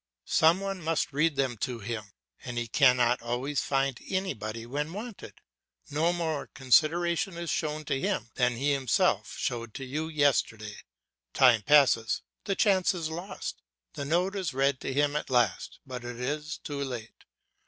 Some one must read them to him, and he cannot always find anybody when wanted; no more consideration is shown to him than he himself showed to you yesterday. Time passes, the chance is lost. The note is read to him at last, but it is too late.